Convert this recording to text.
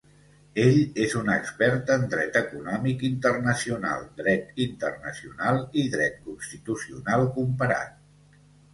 Ell és un expert en dret econòmic internacional, dret internacional i dret constitucional comparat.